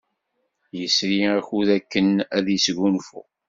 Yesri akud akken ad yesgunfu.